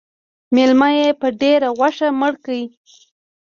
_مېلمه يې په ډېره غوښه مړ کړ.